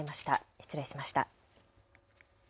失礼しました。